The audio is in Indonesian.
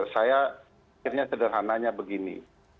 saya kirimnya sederhananya begini